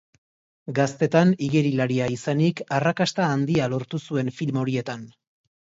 Gaztetan igerilaria izanik, arrakasta handia lortu zuen film horietan.